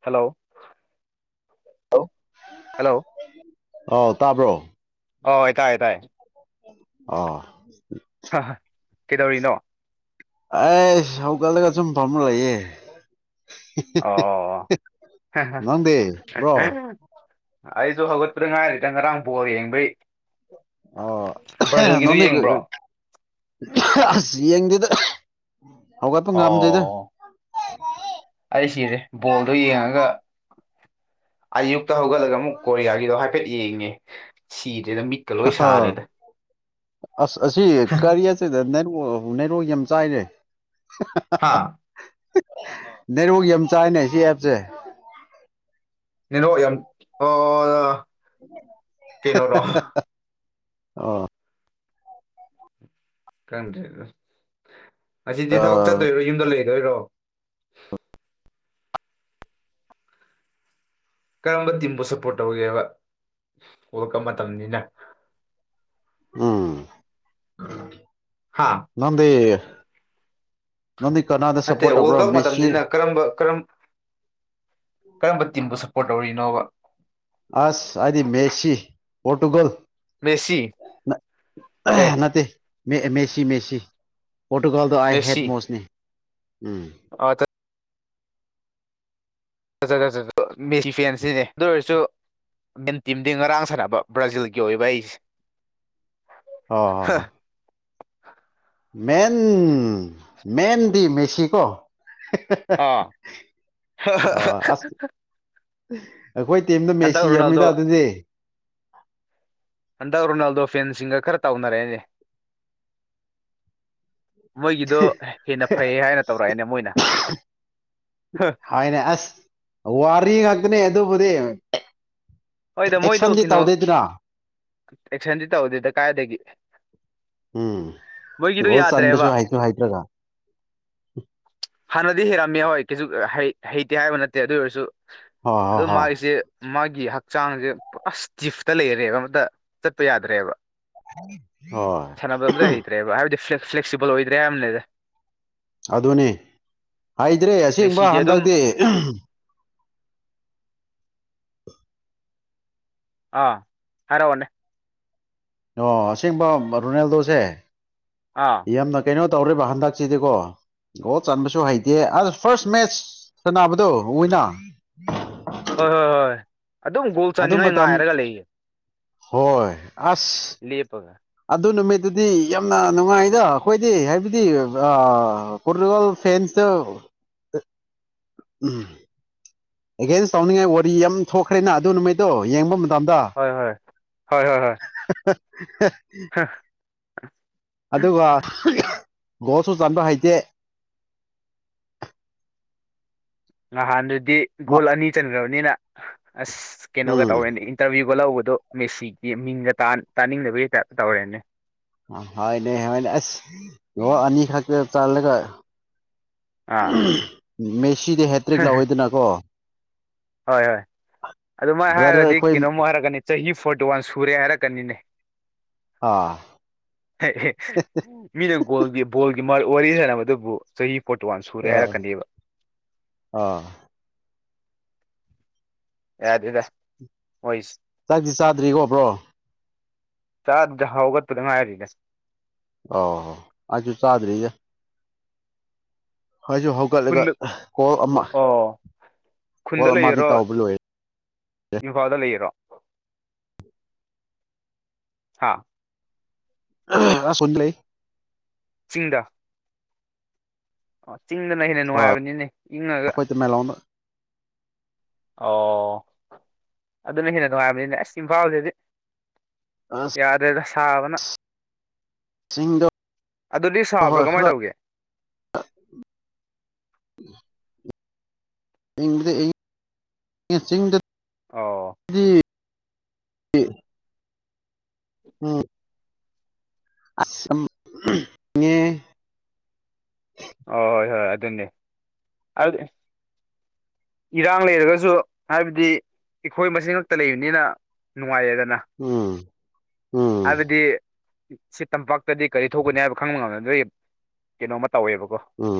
hello [unintelligible] hello ꯑꯥꯎ ꯇꯥꯕ꯭ꯔꯣ ꯑꯣ ꯇꯥꯏ ꯇꯥꯏ ꯑ ꯀꯩꯗꯧꯔꯤꯅꯣ ꯑꯥꯏꯁ ꯍꯧꯒꯠꯂꯒ ꯁꯨꯝ ꯐꯝꯃꯥ ꯂꯩꯌꯦ ꯑꯣ ꯑꯣ ꯅꯪꯗꯤ ꯕ꯭ꯔꯣ ꯑꯣ ꯑꯩꯁꯨ ꯍꯧꯒꯠꯄꯗ ꯉꯥꯏꯔꯤ ꯏ ꯉꯔꯥꯡ ꯕꯣꯜ ꯌꯦꯡꯕꯩ ꯑ ꯅ ꯕ꯭ꯔꯥꯖꯤꯜꯒꯤꯗꯣ ꯌꯦꯡꯕ꯭ꯔꯣ ꯑꯁ ꯌꯦꯡꯗꯦꯗ ꯍꯧꯒꯠꯄ ꯉꯝꯗꯦꯗ ꯑꯣ ꯑꯩ ꯁꯤꯔꯦ ꯕꯣꯜꯗꯣ ꯌꯦꯡꯉꯒ ꯑꯌꯨꯛꯇ ꯍꯧꯒꯠꯂꯒ ꯑꯃꯨꯛ ꯀꯣꯔꯤꯌꯥꯒꯤꯗꯣ ꯍꯥꯏꯐꯦꯠ ꯌꯦꯡꯉꯦ ꯁꯤꯗ꯭ꯔꯦꯗ ꯃꯤꯠꯀ ꯂꯣꯏ ꯁꯥꯔꯦꯗ ꯑꯁ ꯑꯁꯤ ꯀꯔꯤꯌꯁꯤꯗ ꯅꯦꯠꯋꯥ꯭ꯔꯛ ꯅꯦꯠꯋꯥ꯭ꯔꯛ ꯌꯥꯝ ꯆꯥꯏꯅꯦ ꯍꯥ [inaudible] ꯅꯦꯠꯋꯥꯛ ꯌꯥꯝ ꯆꯥꯏꯅꯦ ꯁꯤ ꯑꯦꯞꯁꯦ [unintelligible] ꯌꯥꯝ ꯑꯣ ꯀꯩꯅꯣꯔꯣ ꯑꯣ ꯈꯪꯗꯦꯗ ꯑꯁꯤꯗꯤ ꯊꯕꯛ ꯑꯥ ꯆꯠꯇꯣꯏꯔꯣ ꯌꯨꯝꯗ ꯂꯩ ꯌꯥꯏꯔꯣ ꯀꯔꯝꯕ ꯇꯤꯝꯕꯨ ꯁꯞꯄꯣꯔꯠ ꯇꯧꯒꯦꯕ ꯋꯥꯜ ꯀꯞ ꯃꯇꯝꯅꯤꯅ ꯎꯝ ꯍꯥ ꯅꯪꯗꯦ ꯅꯠꯇꯦ ꯋꯥꯔꯜ ꯀꯞ ꯃꯦꯁꯤ ꯃꯇꯝꯅꯤꯅ ꯀꯔꯝꯕ ꯀꯔꯝ ꯀꯔꯝꯕ ꯇꯤꯝꯕꯨ ꯁ ꯄꯣꯔꯠ ꯇꯧꯔꯤꯅꯣꯕ ꯑꯁ ꯑꯩꯗꯤ ꯃꯦꯁꯤ ꯄꯣꯔꯇꯨꯒꯜ ꯃꯦꯁꯤ ꯑꯦ ꯅꯠꯇꯦ ꯃꯦꯁꯤ ꯃꯦꯁꯤ ꯄꯣꯔꯇꯨꯒꯜꯗꯣ ꯑꯥꯏ ꯍꯦꯠ ꯃꯦꯁꯤ ꯃꯣꯁꯂꯤ ꯎꯝ ꯑ ꯐꯖ ꯐꯖ ꯃꯦꯁꯤ ꯐꯦꯟꯁꯤꯅꯦ ꯑꯗꯨ ꯑꯣꯏꯔꯁꯨ ꯃꯦꯟ ꯇꯤꯝꯗꯤ ꯉꯔꯥꯡ ꯁꯥꯟꯅꯕ ꯕ꯭ꯔꯥꯖꯤꯜꯒꯤ ꯑꯣꯏꯕ ꯑꯩꯁꯦ ꯑꯣ ꯍ ꯍ [unintelligible] ꯃꯦꯟ ꯃꯦꯟꯗꯤ ꯃꯦꯁꯤꯀꯣ ꯑꯥ ꯑꯣ ꯑꯁ ꯑꯩꯈꯣꯏ ꯇꯤꯝꯗ ꯍꯟꯗꯛ ꯃꯦꯠꯁꯤ ꯔꯣꯅꯥꯜꯗꯣ ꯌꯥꯝꯃꯤꯗ ꯑꯗꯨꯗꯤ ꯍꯟꯗꯛ ꯔꯣꯅꯥꯜꯗꯣ ꯐꯦꯟꯁꯤꯡꯒ ꯈꯔ ꯇꯧꯅꯔꯦꯅꯦ ꯃꯣꯏꯒꯤꯗꯣ ꯍꯦꯟꯅ ꯐꯩꯌꯦ ꯍꯥꯏꯅ ꯇꯧꯔꯛꯑꯦꯅꯦ ꯃꯣꯏꯅ ꯍꯥꯏꯅꯦ ꯑꯁ ꯋꯥꯔꯤ ꯉꯥꯛꯇꯅꯦ ꯑꯗꯨꯕꯨꯗꯤ ꯍꯣꯏꯗ ꯃꯣꯏꯗꯣ ꯑꯦꯛꯁꯟꯗꯤ ꯀꯩꯅꯣ ꯇꯧꯗꯦꯗꯅ ꯑꯦꯛꯁꯟꯗꯤ ꯇꯧꯗꯦꯗ ꯀꯥꯏꯗꯒꯤ ꯎꯝ ꯃꯣꯏꯒꯤꯗꯣ ꯒꯣꯜ ꯌꯥꯗ꯭ꯔꯦꯕ ꯆꯟꯕꯁꯨ ꯍꯩꯁꯨ ꯍꯩꯇꯅ ꯍꯥꯟꯅꯗꯤ ꯍꯩꯔꯝꯃꯦ ꯍꯣꯏ ꯀꯩꯁꯨ ꯍꯩꯇꯦ ꯍꯥꯏꯕ ꯅꯠꯇꯦ ꯑꯗꯨ ꯑꯣꯏꯔꯁꯨ ꯍꯣꯏ ꯍꯣꯏ ꯑꯗꯨ ꯍꯣꯏ ꯃꯥꯒꯤꯁꯦ ꯃꯥꯒꯤ ꯍꯛꯆꯥꯡꯁꯦ ꯄꯨꯔ ꯏꯁ ꯇꯤꯐꯇ ꯂꯩꯔꯦꯕ ꯑꯃꯇ ꯆꯠꯄ ꯌꯥꯗ꯭ꯔꯦꯕ ꯍꯣꯏ ꯁꯥꯟꯅꯕ ꯑꯝꯇ ꯍꯩꯇ꯭ꯔꯦꯕ ꯍꯥꯏꯕꯗꯤ ꯐ꯭ꯂꯦꯛꯁꯤꯕꯜ ꯑꯣꯏꯗ꯭ꯔꯦ ꯌꯥꯝꯕꯅꯦꯗ ꯑꯗꯨꯅꯤ ꯍꯥꯏꯗ꯭ꯔꯦ ꯑꯁꯦꯡꯕ ꯃꯦꯁꯤꯗꯤ ꯑꯗꯨꯝ ꯍꯟꯗꯛꯇꯤ ꯑꯥ ꯍꯥꯏꯔꯣꯅꯦ ꯑꯣ ꯑꯁꯦꯡꯕ ꯔꯣꯅꯥꯜꯗꯣꯁꯦ ꯑꯥ ꯌꯥꯝꯅ ꯀꯩꯅꯣ ꯇꯧꯦꯔꯤꯕ ꯍꯟꯗꯛꯁꯤꯗꯤꯀꯣ ꯑꯣ ꯆꯟꯕꯁꯨ ꯍꯩꯇꯦ ꯑꯁ ꯐꯥꯔꯁ ꯃꯦꯠꯆ ꯁꯅꯕꯗꯣ ꯋꯤꯅ ꯍꯣꯏ ꯍꯣꯏ ꯍꯣꯏ ꯑꯗꯨꯝ ꯒꯣꯜ ꯑꯗꯨ ꯆꯥꯅꯤꯡꯉꯥꯏ ꯃꯇꯝ ꯉꯥꯏꯔꯒ ꯂꯩꯌꯦ ꯍꯣꯏ ꯑꯁ ꯂꯦ ꯄꯒ ꯑꯗꯨ ꯅꯨꯃꯤꯠꯇꯨꯗꯤ ꯌꯥꯝꯅ ꯅꯨꯡꯉꯥꯏꯗ ꯑꯩꯈꯣꯏꯗꯤ ꯍꯥꯏꯕꯗꯤ ꯀꯇꯒꯜ ꯐꯦꯟꯁ ꯎꯝ ꯑꯦꯒꯦꯟꯁ ꯇꯧꯅꯤꯡꯉꯥꯏ ꯋꯥꯔꯤ ꯌꯥꯝ ꯊꯣꯛꯈ꯭ꯔꯦꯅ ꯑꯗꯨ ꯅꯨꯃꯤꯠꯇꯣ ꯌꯦꯡꯕ ꯃꯇꯝꯗ ꯍꯣꯏ ꯍꯣꯏ ꯍꯣꯏ ꯍꯣꯏ ꯍꯣꯏ ꯍ ꯍ ꯑꯗꯨꯒ ꯒꯣꯁꯨ ꯆꯕ ꯍꯩꯇꯦ ꯅꯍꯥꯟꯗꯨꯗꯤ ꯒꯣꯜ ꯑꯅꯤ ꯆꯟꯈ꯭ꯔꯕꯅꯤꯅ ꯑꯁ ꯀꯩꯅꯣꯒ ꯎꯝ ꯇꯧꯔꯦꯅꯦ ꯏꯟꯇꯔꯚꯤꯌꯨꯒ ꯂꯧꯕꯗꯣ ꯑꯗꯣ ꯃꯦꯁꯤꯒꯤ ꯃꯤꯡꯒ ꯇꯥꯅꯤꯡꯗꯕꯒꯤ ꯇꯥꯏꯞꯇ ꯇꯧꯔꯦꯅꯦ ꯍꯣꯏꯅꯦ ꯍꯥꯏꯅꯦ ꯑꯁ ꯂ ꯑꯅꯤꯈꯛꯇ ꯆꯜꯂꯒ ꯑꯥ ꯃꯦꯁꯤꯗꯤ ꯍꯦꯇ꯭ꯔꯤꯛ ꯂꯥꯛꯑꯣꯏꯗꯅꯀꯣ ꯍꯣꯏ ꯍꯣꯏ ꯑꯗꯨꯃꯥꯏꯅ ꯕ꯭ꯔꯗꯔ ꯍꯥꯏꯔꯨꯔꯗꯤ ꯑꯩꯈꯣꯏ ꯀꯩꯅꯣꯝꯃ ꯍꯥꯏꯔꯛꯀꯅꯤ ꯆꯍꯤ ꯐꯣꯔꯇꯤ ꯗꯨꯋꯥꯥꯟ ꯁꯨꯔꯦ ꯍꯥꯏꯔꯛꯀꯅꯤꯅꯦ ꯑꯥ ꯃꯤꯅꯦꯣꯣꯒ ꯋꯥꯔꯤ ꯍꯥꯏꯅ ꯃꯗꯨꯕꯨ ꯆꯍꯤ ꯐꯣꯔꯇꯤ ꯋꯥꯟ ꯁꯨꯔꯦ ꯑꯥ ꯍꯥꯏꯔꯛꯀꯅꯦꯕ ꯑꯥ ꯌꯥ ꯑꯗꯨꯗ ꯑꯣꯏꯣꯏꯁꯤ ꯆꯥꯛꯁꯤ ꯆꯥꯗ꯭ꯔꯤꯀꯣꯕ꯭ꯔꯣ ꯆꯥꯗ ꯍꯧꯒꯠꯄꯗ ꯉꯥꯏꯔꯤꯅꯦꯁ ꯑ ꯑꯩꯁꯨ ꯆꯥꯗ꯭ꯔꯤꯒ ꯑꯩꯁꯨ ꯍꯧꯒꯠꯂꯒ ꯈꯨꯟꯗ ꯀꯣꯜ ꯑꯣ ꯑꯃ ꯑꯣ ꯈꯨꯟꯗ ꯀꯣꯜ ꯑꯃꯗꯤ ꯂꯩꯔꯣ ꯇꯥꯎꯕ ꯂꯣꯏꯔꯦ ꯏꯝꯐꯥꯜꯗ ꯂꯩꯔꯣ ꯍꯥꯥ ꯑ ꯁꯅ ꯂꯩꯦ ꯆꯤꯡꯗ ꯑꯣ ꯆꯤꯡꯗꯅ ꯍꯦꯟꯅ ꯍꯣꯏ ꯅꯨꯡꯉꯥꯏꯕꯅꯤꯅꯦ ꯏꯪꯉꯒ ꯑꯩꯈꯣꯏ ꯃ ꯂꯥꯎꯅ ꯑꯣ ꯑꯗꯨꯅ ꯍꯦꯟꯅ ꯅꯨꯡꯉꯥꯏꯕꯅꯤꯅꯦ ꯑꯁ ꯏꯝꯐꯥꯜꯁꯦꯗꯤ ꯑꯁ ꯌꯥꯗꯩ ꯁꯥꯕꯅ ꯆꯤꯡꯗ ꯑꯗꯨꯗꯤ ꯁꯥꯕ꯭ꯔꯥ ꯀꯃꯥꯏꯅ ꯇꯧꯒꯦ ꯎ ꯗ ꯑꯣ ꯍ ꯎꯝ ꯑꯁꯝ ꯉꯦ ꯑꯣ ꯍꯣꯏ ꯍꯣꯏ ꯑꯗꯨꯅꯤ ꯑꯗꯨꯗꯤ ꯏꯔꯥꯡ ꯂꯩꯔꯒꯁꯨ ꯍꯥꯏꯕꯗꯤ ꯑꯩꯈꯣꯏ ꯃꯁꯦꯜꯇ ꯂꯩꯕꯅꯤꯅ ꯅꯨꯡꯉꯥꯏꯌꯦꯗ ꯎꯝ ꯎꯝ ꯁꯤ ꯇꯝꯄꯥꯛꯇꯗꯤ ꯀꯔꯤ ꯊꯣꯛꯀꯅꯤ ꯍꯥꯏꯕ ꯈꯪꯕ ꯉꯝꯗꯥꯉꯩ ꯀꯩꯅꯣꯝꯃꯥ ꯇꯧꯋꯦꯕ ꯎꯝ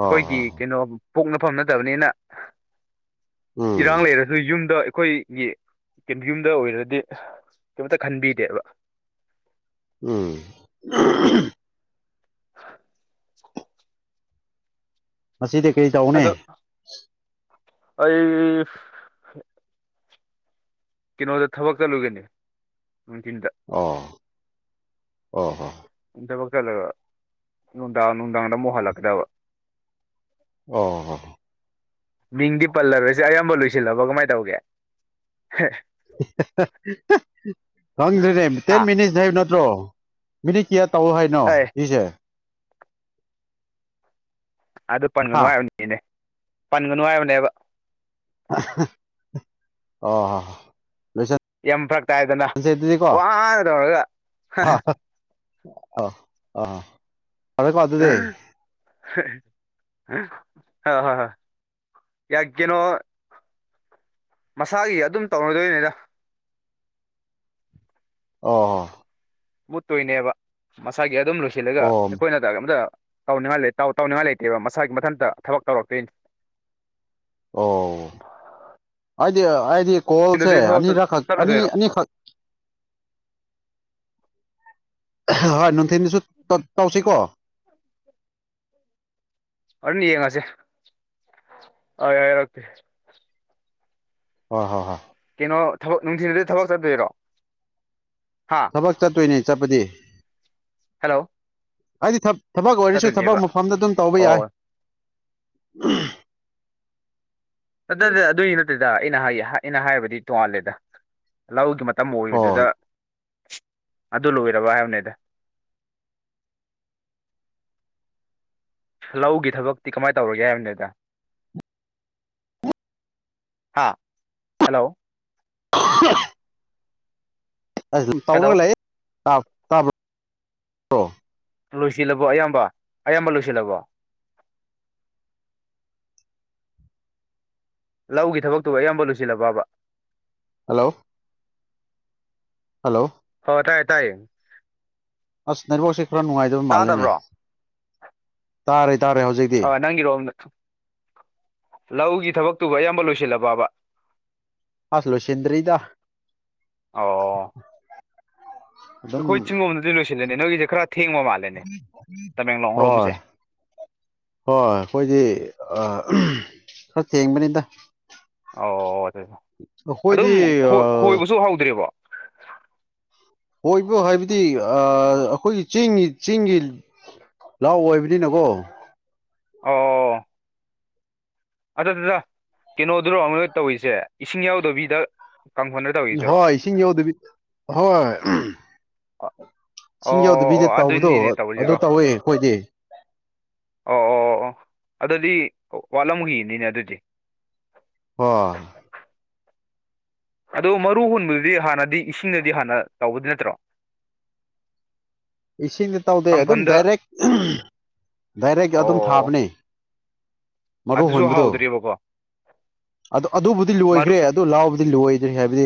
ꯍꯣꯏ ꯍꯣꯏ ꯀꯩꯅꯣ ꯄꯣꯛꯅꯐꯝ ꯅꯠꯇꯕꯅꯤꯅ ꯍꯣꯏ ꯏꯔꯥꯡ ꯂꯩꯔꯁꯨ ꯌꯨꯝꯗ ꯑꯩꯈꯣꯏꯒꯤ ꯇꯤꯞꯖꯨꯝꯗ ꯑꯣꯏꯔꯗꯤ ꯀꯩꯝꯇ ꯈꯟꯕꯤꯗꯦꯕ ꯎꯝ [inaudible] ꯃꯁꯤꯗꯤ ꯀꯔꯤ ꯇꯧꯅꯤ ꯑꯗꯣ ꯑꯩ [inaudible] ꯀꯩꯅꯣꯗ ꯊꯕꯛ ꯆꯠꯂꯨꯒꯦ ꯅꯨꯡꯊꯤꯟꯗ ꯑꯣ ꯑꯣ ꯍꯣ ꯊꯕꯛ ꯆꯠꯂꯒ ꯅꯨꯡꯗꯥꯡ ꯅꯨꯡꯗꯥꯡꯗ ꯑꯃꯨꯛ ꯍꯜꯂꯛꯀꯗꯕ ꯑꯣ ꯍꯣ ꯃꯤꯡꯗꯤ ꯄꯜꯂꯔꯣꯏꯁꯦ ꯑꯌꯥꯝꯕ ꯂꯣꯏꯁꯤꯜꯂꯕꯣ ꯀꯃꯥꯏꯅ ꯇꯧꯒꯦ ꯈꯪꯗ꯭ꯔꯦꯅꯦ ꯍꯥ ꯇꯦꯟ ꯃꯅꯤꯠꯁ ꯍꯥꯏꯅ [unintelligible] ꯅ꯭ꯔꯣ ꯃꯤꯅꯤꯠ ꯀꯌꯥ ꯇꯧꯑꯣ ꯍꯥꯏꯅꯣ ꯑꯦ ꯁꯤꯁꯦ ꯑꯗꯨ ꯄꯟꯒꯅꯨ ꯍꯥ ꯍꯥꯏꯕꯅꯤꯅꯦ ꯄꯟꯒꯅꯨ ꯍꯥꯏꯕꯅꯦꯕ ꯑꯣ ꯍꯣ ꯂꯣꯏꯁꯟꯁꯦ ꯌꯥꯝ ꯐꯔꯛꯇꯥꯏꯗꯅ ꯑꯗꯨꯗꯤꯀꯣ ꯋꯥꯅ ꯇꯧꯔꯒ ꯑ ꯑ ꯑꯗꯨꯗꯤ ꯌꯥ ꯀꯦꯅꯣ ꯃꯁꯥꯒꯤ ꯑꯗꯨꯝ ꯇꯧꯅꯗꯣꯏꯅꯤꯗ ꯑꯣ ꯍꯣ ꯃꯨꯠꯇꯣꯏꯅꯦꯕ ꯃꯁꯥꯒꯤ ꯑꯗꯨꯝ ꯂꯣꯏꯁꯤꯜꯂꯒ ꯑꯣ ꯑꯩꯈꯣꯏꯅꯒ ꯀꯩꯝꯇ ꯇꯧꯅꯤꯡꯉꯥꯏ ꯂꯩ ꯇꯧ ꯇꯧꯅꯤꯡꯉꯥꯏ ꯂꯩꯇꯦꯕ ꯃꯁꯥꯒꯤ ꯃꯊꯟꯇ ꯊꯕꯛ ꯇꯧꯔꯛꯇꯣꯏꯅꯤ ꯑꯣ ꯑꯩꯗꯤ ꯑꯩꯗꯤ ꯀꯣꯜꯁꯦ ꯅꯨꯡꯊꯤꯟꯗꯗꯤ ꯊꯕꯛ ꯑꯅꯤꯔꯛ ꯈꯛ ꯑꯅꯤ ꯆꯠꯂꯗꯣꯏꯔꯣ ꯑꯅꯤꯈꯛ ꯍꯣꯏ ꯅꯨꯡꯊꯤꯟꯗꯁꯨ ꯇꯧꯁꯤꯀꯣ ꯑꯗꯨꯅꯤ ꯌꯦꯡꯉꯁꯦ ꯑꯩ ꯍꯥꯏꯔꯛꯀꯦ ꯍꯣꯢ ꯍꯣꯏ ꯍꯣꯏ ꯀꯩꯅꯣ ꯊꯕꯛ ꯅꯨꯡꯊꯤꯜꯗ ꯊꯕꯛ ꯆꯠꯇꯣꯏꯔꯣ ꯍꯥ ꯊꯕꯛ ꯆꯠꯇꯣꯏꯅꯦ ꯆꯠꯄꯗꯤ ꯍꯜꯂꯣ ꯑꯩꯗꯤ ꯊꯞ ꯊꯕꯛ ꯑꯣꯏꯔꯁꯨ ꯊꯕꯛ ꯆꯠꯇꯣꯏꯅꯦꯕ ꯃꯐꯝꯗ ꯑꯗꯨꯝ ꯇꯧꯕ ꯌꯥꯏ ꯑꯣ ꯎꯝ ꯑꯗꯨꯗꯤ ꯑꯗꯨꯏ ꯅꯠꯇꯦꯗ ꯑꯩꯅ ꯍꯥꯏꯌꯦ ꯑꯩꯅ ꯍꯥꯏꯕꯗꯤ ꯇꯣꯉꯥꯜꯂꯦꯗ ꯂꯧꯒꯤ ꯇꯝꯃꯣꯏꯕꯗꯨꯗ ꯍꯣꯏ ꯑꯗꯨ ꯂꯣꯏꯔꯕ ꯍꯥꯏꯕꯅꯦꯗ ꯂꯧꯒꯤ ꯊꯕꯛꯇꯤ ꯀꯃꯥꯏ ꯇꯧꯔꯒꯦ ꯍꯥꯏꯕꯅꯤꯗ ꯍꯥ ꯍꯜꯂꯣ ꯑ ꯑꯗꯨ ꯍꯜꯂꯣ ꯇꯧꯔꯒ ꯂꯥꯛꯑꯦꯥꯕ꯭ꯔ꯭ꯔꯣ [unintelligible] ꯂꯣꯏꯁꯤꯜꯂꯕꯣ ꯑꯌꯥꯝꯕ ꯑꯌꯥꯝꯕ ꯂꯣꯏꯁꯤꯜꯂꯕꯣ ꯂꯧꯒꯤ ꯊꯕꯛꯇꯨꯕꯨ ꯑꯌꯥꯝꯕ ꯂꯨꯁꯤꯜꯂꯕꯕ ꯍꯜꯂꯣ ꯍꯜꯂꯣ ꯍꯣ ꯇꯥꯏꯌꯦ ꯇꯥꯏꯌꯦ ꯑꯁ ꯅꯦꯠꯋꯥꯛꯁꯦ ꯈꯔꯥ ꯅꯨꯡꯉꯥꯏꯇꯕ ꯃꯥꯂꯦꯅꯦ ꯇꯥꯗꯕ꯭ꯔꯣ ꯇꯥꯔꯦ ꯇꯥꯔꯦ ꯍꯧꯖꯤꯛꯇꯤ ꯑ ꯅꯪꯒꯤꯔꯣꯝ ꯂꯧꯒꯤ ꯊꯕꯛꯇꯨꯕꯨ ꯑꯌꯥꯝꯕ ꯂꯣꯏꯁꯤꯜꯂꯕꯕ ꯍꯁ ꯂꯣ ꯁꯦꯡꯗꯔꯤꯗ ꯑꯣ ꯑꯗꯨꯝ ꯑꯩꯈꯣꯏ ꯆꯤꯡꯒꯣꯝꯗꯗꯤ ꯂꯣꯏꯁꯤꯜꯂꯦꯅꯦ ꯅꯣꯏꯒꯤꯁꯦ ꯈꯔ ꯊꯦꯡꯕ ꯃꯥꯜꯂꯦꯅꯦ ꯍꯣꯏ ꯇꯃꯦꯡꯂꯣꯡꯔꯣꯝꯁꯦ ꯍꯣꯏ ꯑꯩꯈꯣꯏꯗꯤ ꯑ ꯈꯔ ꯊꯦꯡꯕꯅꯤꯗ ꯑꯣ ꯑꯗꯨ ꯑꯗꯨꯝ ꯑꯩꯈꯣꯏꯗꯤ ꯈꯣꯏꯕꯁꯨ ꯍꯧꯗꯔ꯭ꯤꯕꯣ ꯈꯣꯏꯕ ꯍꯥꯏꯕꯗꯤ ꯑꯩꯈꯣꯏꯒꯤ ꯆꯤꯡꯒꯤ ꯆꯤꯡꯒꯤ ꯂꯧ ꯑꯣꯏꯕꯅꯤꯅꯀꯣ ꯑꯣ ꯑꯗ ꯑꯗꯨꯗꯥ ꯀꯩꯅꯣꯗꯨꯔꯣ ꯑꯃ ꯇꯧꯔꯤꯁꯦ ꯏꯁꯤꯡ ꯌꯥꯎꯗꯕꯤꯗ ꯀꯥꯡꯊꯣꯟꯗ ꯇꯧꯔꯤꯗꯨꯔꯣ ꯍꯣꯏ ꯏꯁꯤꯡ ꯌꯧꯗꯕꯤ ꯍꯣꯏ ꯑꯣ ꯏꯁꯤꯡ ꯑꯣ ꯌꯥꯎꯗꯕꯤꯗ ꯑꯣ ꯇꯧꯕꯗꯣ ꯑꯗꯨꯅꯤꯅꯦ ꯑꯗꯨ ꯇꯧꯔꯤꯁꯤꯀꯣ ꯇꯧꯋꯦ ꯑꯩꯈꯣꯏꯗꯤ ꯑꯣ ꯑꯣ ꯑꯣ ꯑꯣ ꯑꯗꯨꯗꯤ ꯋꯥꯠꯂꯝ ꯈꯤꯅꯤꯅꯦ ꯑꯗꯨꯗꯤ ꯍ ꯑꯗꯣ ꯃꯔꯨ ꯍꯨꯟꯕꯗꯨꯗꯤ ꯍꯥꯟꯅꯗꯤ ꯏꯁꯤꯡꯗꯗꯤ ꯍꯥꯟꯅ ꯇꯧꯒꯗꯣꯏ ꯅꯠꯇ꯭ꯔꯣ ꯏꯁꯤꯡꯗ ꯇꯧꯗꯦ ꯑꯗꯨꯝ ꯀꯥꯡꯐꯟꯗ ꯗꯥꯏꯔꯦꯛ ꯗꯥꯏꯔꯦꯛ ꯑꯗꯨꯝ ꯑꯣ ꯊꯥꯕꯅꯦ ꯃꯔꯨ ꯑꯗꯨꯁꯨ ꯍꯣꯟꯕꯗꯣ ꯍꯧꯗ꯭ꯔꯤꯕꯀꯣ ꯑꯗꯨ ꯑꯗꯨꯕꯨꯗꯤ ꯃꯔꯨ ꯂꯣꯏꯈ꯭ꯔꯦ ꯑꯗꯨ ꯂꯧ ꯗꯤ ꯂꯣꯏꯗꯔ꯭ꯤ ꯍꯥꯏꯕꯗꯤ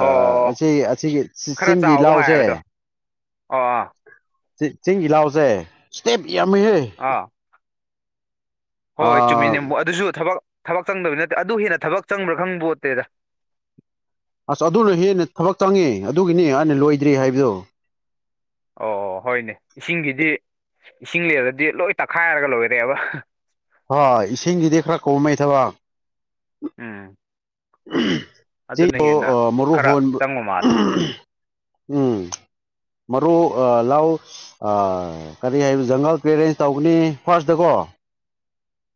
ꯑꯣ ꯑꯁꯤ ꯑꯁꯤꯒꯤ ꯈꯔ ꯆꯤꯡꯒꯤ ꯆꯥꯎꯕ ꯂꯥꯎꯁꯦ ꯉꯥꯏꯕꯗꯣ ꯑꯣ ꯑꯥ ꯆꯤꯡꯒꯤ ꯂꯧ ꯁꯦ ꯌꯝꯃꯤꯍꯦ ꯑꯥ ꯍꯣꯏ ꯆꯨꯝꯃꯤꯅꯦꯕꯨ ꯑꯗꯨꯁꯨ ꯊꯕꯛ ꯊꯕꯛ ꯆꯪꯗꯕ ꯅꯠꯇꯦ ꯑꯗꯨ ꯍꯦꯟꯅ ꯊꯕꯛ ꯆꯪꯕ꯭ꯔꯥ ꯈꯪꯕꯣꯠꯇꯦꯗ ꯑꯁ ꯑꯗꯨꯅ ꯍꯦꯟꯅ ꯊꯕꯛ ꯆꯪꯉꯤ ꯑꯗꯨꯒꯤꯅꯤ ꯑꯩꯅꯥ ꯂꯣꯏꯗ꯭ꯔꯤ ꯍꯥꯏꯕꯗꯣ ꯑꯣ ꯑꯣ ꯍꯣꯏꯅꯦ ꯏꯁꯤꯡꯒꯤꯗꯤ ꯏꯁꯤꯡ ꯂꯩꯔꯗꯤ ꯂꯣꯏ ꯇꯛꯈꯥꯏꯔꯒ ꯂꯣꯏꯔꯦꯕ ꯍꯣꯏ ꯏꯁꯤꯡꯒꯤꯗꯤ ꯈꯔ ꯀꯣꯝꯃꯦ ꯊꯕꯛ ꯎꯝ ꯑꯗꯨꯅ ꯁꯤꯕꯨ ꯍꯦꯟꯅ ꯃꯔꯨ ꯈꯔ ꯍꯣꯟꯕ ꯆꯪꯕ ꯃꯥꯜꯂꯦ ꯎꯝ ꯃꯔꯨ ꯂꯥꯛꯑꯣ ꯀꯔꯤ ꯍꯥꯏ ꯖꯪꯒꯜ ꯀ ꯑꯦꯔꯦꯟꯖ ꯇꯧꯒꯅꯤ ꯐꯥꯔꯁꯇꯀꯣ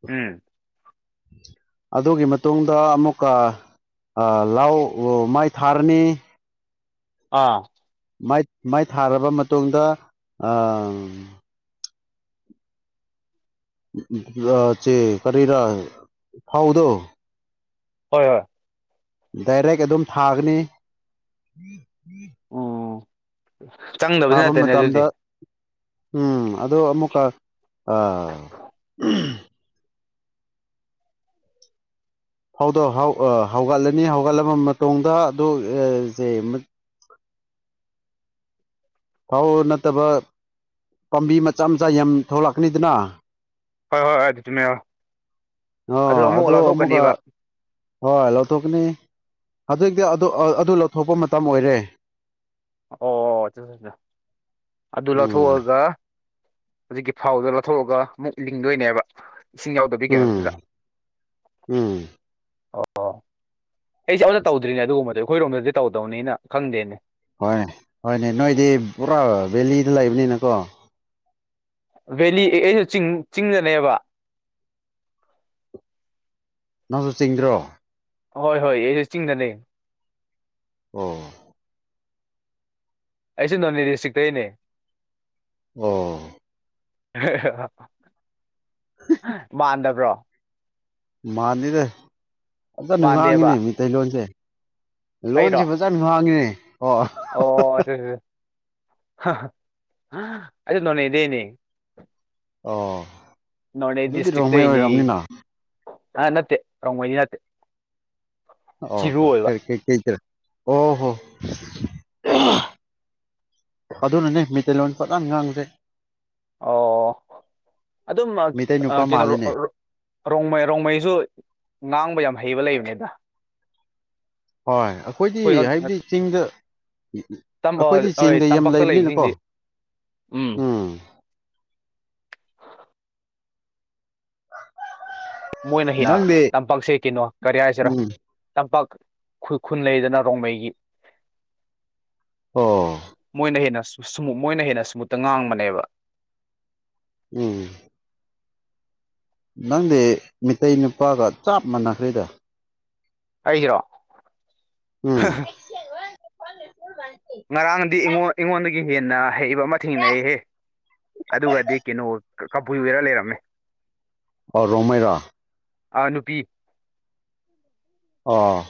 ꯎꯝ ꯑꯗꯨꯒꯤ ꯃꯇꯨꯡꯗ ꯑꯃꯨꯛꯀ ꯂꯥꯎ ꯃꯥꯏ ꯊꯔꯅꯤ ꯑꯥ ꯃꯥꯏ ꯃꯥꯏ ꯊꯥꯔꯕ ꯃꯇꯨꯡꯗ ꯆꯦ ꯀꯔꯤꯔ ꯐꯧꯗꯣ ꯍꯣꯏ ꯍꯣꯏ ꯗꯥꯏꯔꯦꯛ ꯑꯗꯨꯝ ꯊꯥꯒꯅꯤ ꯎꯝ ꯆꯪꯗꯕꯗꯤ ꯊꯥꯕ ꯅꯠꯇꯦꯅꯦ ꯑꯗꯨꯗꯤ ꯃꯇꯝꯗ ꯎꯝ ꯑꯗꯣ ꯑꯃꯨꯛꯀ ꯑ ꯥꯐꯧ ꯗꯣ ꯍꯧꯒꯠꯂꯅꯤ ꯍꯧꯒꯠꯂꯕ ꯃꯇꯨꯡꯗ ꯑꯗꯨ ꯐꯧ ꯅꯠꯇꯕ ꯄꯥꯝꯕꯤ ꯃꯆꯥ ꯃꯆꯥ ꯌꯥꯝ ꯊꯣꯛꯂꯛꯀꯅꯤꯗꯅ ꯍꯣꯏ ꯍꯣꯏ ꯍꯣꯏ ꯑꯗꯨ ꯆꯨꯝꯃꯦ ꯑꯗꯨ ꯑꯣ ꯑꯃꯨꯛꯐꯥꯎ ꯑꯃꯨꯛꯀ ꯂꯧꯊꯣꯛꯀꯅꯤꯕ ꯍꯣꯏ ꯂꯧꯊꯣꯛꯀꯅꯤ ꯍꯧꯖꯤꯛꯇꯤ ꯑꯗꯨ ꯑꯗꯨ ꯂꯧꯊꯣꯛꯄ ꯃꯇꯝ ꯑꯣꯏꯔꯦ ꯑꯣꯠ ꯆꯁꯤ ꯑꯗꯨ ꯎꯝ ꯂꯧꯊꯣꯛꯑꯒ ꯍꯧꯖꯤꯛꯀꯤ ꯐꯥꯎꯗꯣ ꯂꯧꯊꯣꯛꯑꯒ ꯑꯃꯨꯛ ꯂꯤꯡꯗꯣꯏꯅꯦꯕ ꯏꯁꯤꯡ ꯌꯥꯎꯗꯕꯤ ꯎꯝ ꯀꯩꯅꯣꯗꯨꯗ ꯎꯝ ꯑꯣ ꯑꯩꯁꯦ ꯑꯃꯝꯇ ꯇꯧꯗ꯭ꯔꯤꯅꯦ ꯑꯗꯨꯒꯨꯝꯕꯗꯣ ꯑꯩꯈꯣꯏꯔꯣꯝꯗꯗꯤ ꯇꯧꯗꯧꯅꯤꯅ ꯈꯪꯗꯦꯅꯦ ꯍꯣꯏꯅꯦ ꯍꯣꯏꯅꯦ ꯅꯣꯏꯗꯤ ꯄꯨꯔꯥ ꯚꯦꯂꯤꯗ ꯂꯩꯕꯅꯤꯅꯀꯣ ꯚꯦꯂꯤ ꯑꯩꯁꯨ ꯆꯤꯡ ꯆꯤꯡꯗꯂꯩꯑꯦꯕ ꯅꯪꯁꯨ ꯆꯤꯡꯗ꯭ꯔꯣ ꯍꯣꯏ ꯍꯣꯏ ꯑꯩꯁꯨ ꯆꯤꯡꯗꯅꯦ ꯑꯣ ꯑꯩꯁꯦ ꯅꯣꯅꯦ ꯗꯤꯁꯇ꯭ꯔꯤꯛꯇꯩꯅꯦ ꯑꯣ ꯃꯥꯟꯗꯥꯕ꯭ꯔꯣ ꯃꯥꯅꯤꯔꯦ ꯐꯖꯅ ꯃꯥꯟꯗꯦꯕ ꯉꯥꯡꯉꯤꯅꯦ ꯃꯤꯇꯩ ꯂꯣꯟꯁꯦ ꯂꯣꯟꯁꯦ ꯑꯩꯔꯣ ꯐꯖꯅ ꯍꯥꯡꯉꯤꯅꯦ ꯑꯣ ꯑꯣ ꯑꯗꯨ ꯑꯩꯁꯨ ꯅꯣꯅꯦ ꯗꯩꯅꯦ ꯑꯣ ꯑꯗꯨꯗꯤ ꯔꯣꯡꯃꯩ ꯑꯣꯏꯔꯝꯅꯤꯅ ꯑ ꯅꯠꯇꯦ ꯔꯣꯡꯃꯩꯗꯤ ꯅꯠꯇꯦ ꯑꯣ ꯆꯤꯔꯨ ꯑꯣꯏꯕ ꯐꯔꯦ ꯀꯩ ꯀꯩꯗ ꯑꯣ ꯑꯗꯨꯅꯅꯦ ꯃꯩꯇꯩꯂꯣꯟ ꯐꯖꯅ ꯉꯥꯡꯕꯁꯦ ꯑꯣ ꯑꯗꯨꯝ ꯃꯩꯇꯩ ꯅꯨꯄꯥ ꯀꯩꯅꯣ ꯃꯥꯜꯂꯤꯅꯦ ꯔꯣꯡꯃꯩ ꯔꯣꯡꯃꯩꯁꯨ ꯉꯥꯡꯕ ꯌꯥꯝ ꯍꯩꯕ ꯂꯩꯕꯅꯤꯗ ꯍꯣꯏ ꯑꯩꯈꯣꯏꯗꯤ ꯑꯩꯈꯣꯏ ꯍꯥꯏꯕꯗꯤ ꯆꯤꯡꯗ ꯇꯝꯕ ꯑꯩꯈꯣꯏꯗꯤ ꯍꯣꯏ ꯆꯤꯡꯗ ꯌꯥꯝ ꯇꯝꯄꯥꯛꯇ ꯂꯩꯕꯅꯤꯅꯀꯣ ꯂꯩꯕꯁꯤꯡꯗꯤ ꯎꯝ ꯃꯣꯏꯅ ꯌꯥ ꯅꯪꯗꯤ ꯇꯝꯄꯥꯛꯁꯦ ꯀꯩꯅꯣ ꯀꯔꯤ ꯍꯥꯏꯁꯤꯔ ꯎꯝ ꯇꯝꯄꯥꯛ ꯈꯨ ꯈꯨꯟ ꯂꯩꯗꯅ ꯔꯣꯡꯃꯩꯒꯤ ꯑꯣ ꯃꯣꯏꯅ ꯍꯦꯟꯅ ꯁꯨꯃ ꯃꯣꯏꯅ ꯍꯦꯟꯅ ꯁꯨꯃꯨꯠꯇ ꯉꯥꯡꯕꯅꯦꯕ ꯎꯝ ꯅꯪꯗꯤ ꯃꯤꯇꯩ ꯅꯨꯄꯥꯒ ꯆꯞ ꯃꯥꯟꯅꯈ꯭ꯔꯦꯗ ꯑꯩꯔꯣ ꯎꯝ ꯉꯔꯥꯡꯅꯗꯤ ꯑꯩꯉꯣꯟ ꯑꯩꯉꯣꯟꯗꯒꯤ ꯍꯦꯟꯅ ꯍꯩꯕ ꯑꯃ ꯊꯦꯡꯅꯏꯍꯦ ꯑꯗꯨꯒꯗꯤ ꯀꯩꯅꯣ ꯀꯥꯕꯨꯨꯏ ꯑꯣꯏꯔ ꯂꯩꯔꯝꯃꯦ ꯑꯣ ꯔꯣꯡꯃꯩ ꯔꯣ ꯑꯥ ꯅꯨꯄꯤ ꯑꯣ